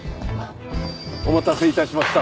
お待たせ致しました。